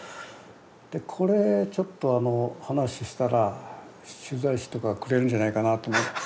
でこれちょっと話したら取材費とかくれるんじゃないかなと思って。